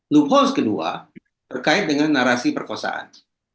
loopholes kedua berkait dengan narasi perkosaan